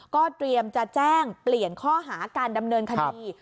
ก็เตรียมจะแจ้งเปลี่ยนข้อหาการดำเนินคดี